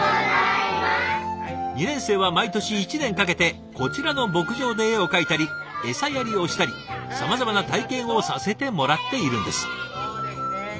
２年生は毎年１年かけてこちらの牧場で絵を描いたり餌やりをしたりさまざまな体験をさせてもらっているんです。